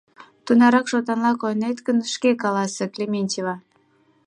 Тунарак шотанла койнет гын, шке каласе, Клементьева!